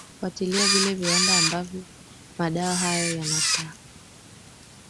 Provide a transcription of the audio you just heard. kufwatilia vile viwanda ambavyo madawa hayo yanata